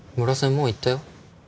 もう行ったよ